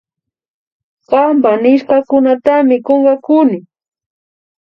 Kanpa nishkakunatami kunkakuni